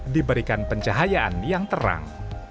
diberikan pencahayaan yang terang